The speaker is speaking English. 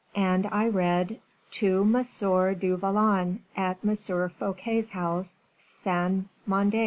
and I read, 'To Monsieur du Vallon, at M. Fouquet's house, Saint Mande.